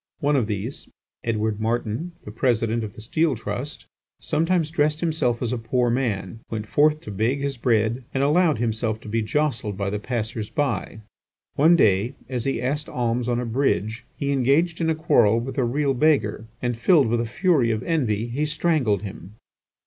One of these, Edward Martin, the President, of the Steel Trust, sometimes dressed himself as a poor man, went forth to beg his bread, and allowed himself to be jostled by the passers by. One day, as he asked alms on a bridge, he engaged in a quarrel with a real beggar, and filled with a fury of envy, he strangled him.